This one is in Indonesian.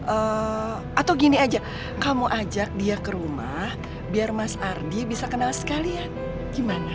eh atau gini aja kamu ajak dia ke rumah biar mas ardi bisa kenal sekalian gimana